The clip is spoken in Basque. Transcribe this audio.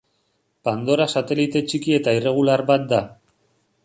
Pandora satelite txiki eta irregular bat da.